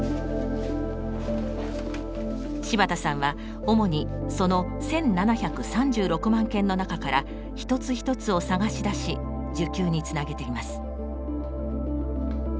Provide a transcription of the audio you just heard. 柴田さんは主にその１，７３６万件の中から一つ一つを探し出し受給につなげています。